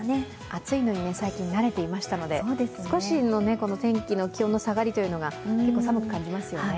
暑いのに最近、慣れていましたので、少しの気温の下がりが結構寒く感じますよね。